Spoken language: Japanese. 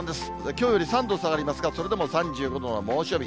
きょうより３度下がりますが、それでも３５度の猛暑日。